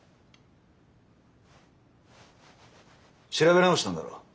調べ直したんだろ？